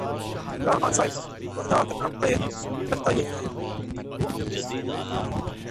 عمران خان صاحب کو ادا کرنا پڑے لگتا یہی ہے